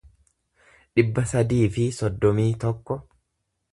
dhibba sadii fi soddomii tokko